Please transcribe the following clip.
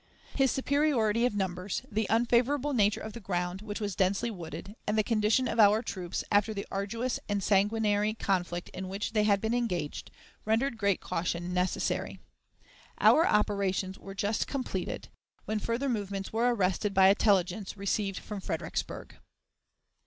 His superiority of numbers, the unfavorable nature of the ground, which was densely wooded, and the condition of our troops, after the arduous and sanguinary conflict in which they had been engaged, rendered great caution necessary. Our operations were just completed, when further movements were arrested by intelligence received from Fredericksburg.